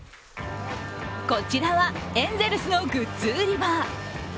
こちらはエンゼルスのグッズ売り場。